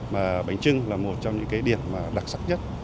mà bánh trưng là một trong những điểm đặc sắc nhất